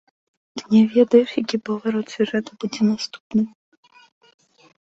Ты не ведаеш, які паварот сюжэта будзе наступны.